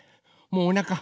もうおなか。